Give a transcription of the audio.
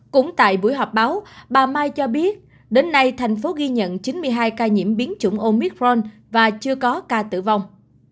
cũng tại buổi họp báo bà mai cho biết đến nay thành phố ghi nhận chín mươi hai ca nhiễm biến chủng omitron và chưa có ca tử vong